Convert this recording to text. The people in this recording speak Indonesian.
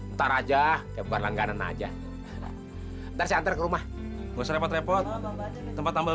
ntar aja kebar langganan aja ntar saya terke rumah us repot repot tempat ambil